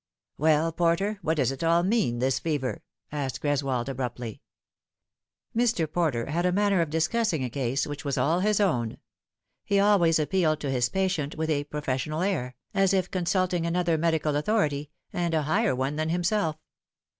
"Well, Porter, what does it all mean, this fever?" asked Greswold abruptly. Mr. Porter had a manner of discussing a case which was all his own. He always appealed to his patient with a professional air, as if consulting another medical authority, and a higher one than himself.